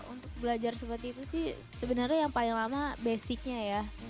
untuk belajar seperti itu sih sebenarnya yang paling lama basicnya ya